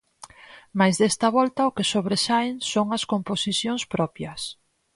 Mais desta volta o que sobresaen son as composicións propias.